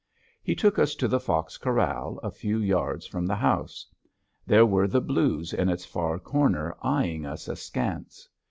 He took us to the fox corral a few yards from the house. There were the blues in its far corner eying us askance.